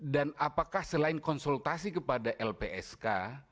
dan apakah selain konsultasi kepada lpsk